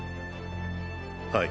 はい。